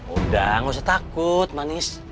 udah gak usah takut manis